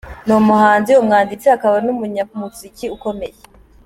Ni umuhanzi, umwanditsi akaba n’umunyamuziki ukomeye .